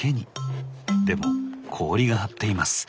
でも氷が張っています！